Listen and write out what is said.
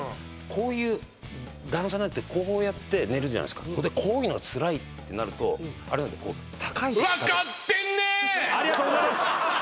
こういう段差なんてこうやって寝るじゃないですかでこういうのがつらいってなるとあれなんでこう高いありがとうございます！